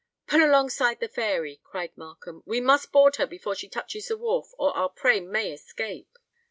"Pull alongside the Fairy," cried Markham: "we must board her before she touches the wharf, or our prey may escape."